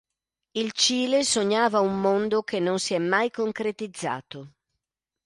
Il Cile sognava un mondo che non si è mai concretizzato.